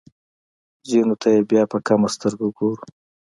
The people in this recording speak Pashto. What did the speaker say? ځینو ته یې بیا په کمه سترګه ګورو.